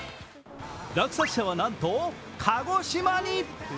落札者はなんと日本の鹿児島に。